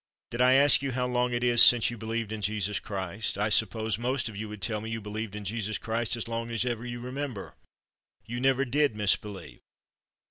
Did I ask you how long it is since you be lieved in Jesus Christ, I suppose most of you would tell me you believed in Jesus Christ as long as ever you remember — you never did misbelieve.